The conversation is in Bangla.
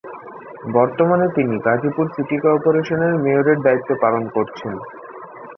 বর্তমানে তিনি গাজীপুর সিটি কর্পোরেশন এর মেয়রের দায়িত্ব পালন করছেন।